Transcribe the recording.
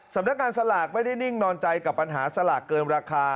สำนักงานสลากไม่ได้นิ่งนอนใจกับปัญหาสลากเกินราคา